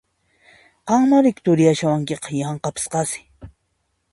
Qanmá riki turiyashawankiqa yanqapis qasi!